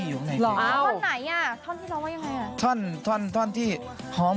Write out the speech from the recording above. เพราะว่าใจแอบในเจ้า